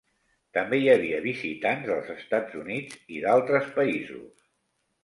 També hi havia visitants dels Estats Units i d'altres països.